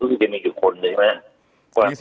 นี่๑๖ปีอยู่คนนึง